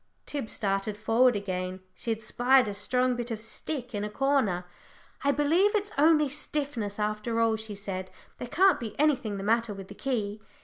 Tib started forward again she had spied a strong bit of stick in a corner. "I believe it's only stiffness, after all," she said. "There can't be anything the matter with the key."